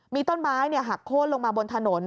มีต้นไม้หักโค้นลงมาบนถนน